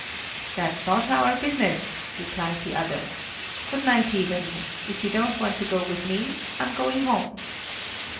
"That's not our business!" replied the other. "Good night, Iven, if you don't want to go with me; I'm going home!"